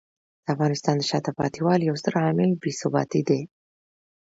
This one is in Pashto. د افغانستان د شاته پاتې والي یو ستر عامل بې ثباتي دی.